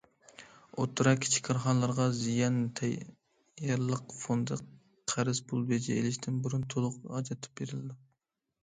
ئوتتۇرا، كىچىك كارخانىلارغا زىيان تەييارلىق فوندى قەرز پۇل بېجى ئېلىشتىن بۇرۇن تولۇق ئاجرىتىپ بېرىلىدۇ.